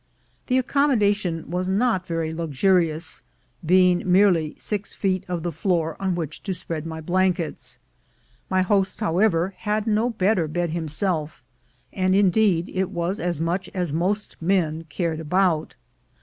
The accommodation was not very luxurious, being merely six feet of the floor on which to spread my blankets. My host, however, had no better bed himself, and indeed it was as much as most men cared about.